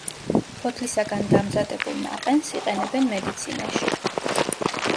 ფოთლისაგან დამზადებულ ნაყენს იყენებენ მედიცინაში.